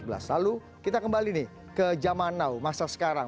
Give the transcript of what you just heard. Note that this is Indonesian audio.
lalu kita kembali nih ke zaman now masa sekarang